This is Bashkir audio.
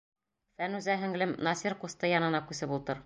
Фәнүзә һеңлем, Насир ҡусты янына күсеп ултыр.